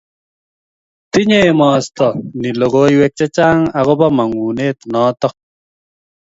tinyei emostoo ni lokoywek chechang akopo mangunet noto